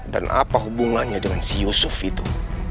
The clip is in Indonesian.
dan apa hubungannya dengan si yusuf itu